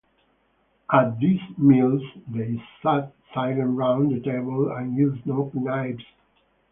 At these meals, they sat silent round the table and used no knives.